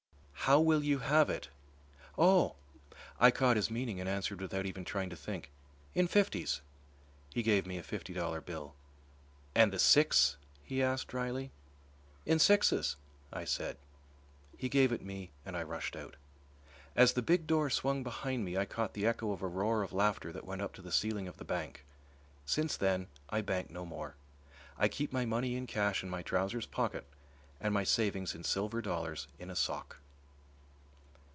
"How will you have it?" "Oh" I caught his meaning and answered without even trying to think "in fifties." He gave me a fifty dollar bill. "And the six?" he asked dryly. "In sixes," I said. He gave it me and I rushed out. As the big door swung behind me I caught the echo of a roar of laughter that went up to the ceiling of the bank. Since then I bank no more. I keep my money in cash in my trousers pocket and my savings in silver dollars in a sock.